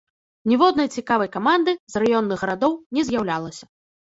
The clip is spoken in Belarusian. Ніводнай цікавай каманды з раённых гарадоў не з'яўлялася.